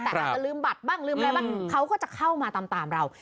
แต่อาจจะลืมบัตรบ้างลืมอะไรบ้างเขาก็จะเข้ามาตามเรา